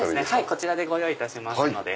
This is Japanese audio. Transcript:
こちらでご用意いたしますので。